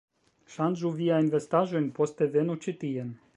Ŝanĝu viajn vestaĵojn, poste venu ĉi tien